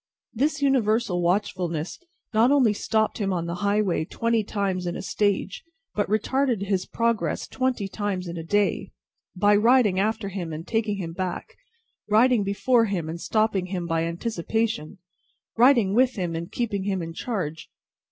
This universal watchfulness not only stopped him on the highway twenty times in a stage, but retarded his progress twenty times in a day, by riding after him and taking him back, riding before him and stopping him by anticipation, riding with him and keeping him in charge.